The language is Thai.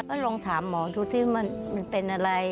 ก็ลองถามหมอดูที่มันเป็นอะไร